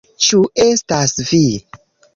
Ĉu estas vi?